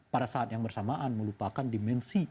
pada saat yang bersamaan melupakan dimensi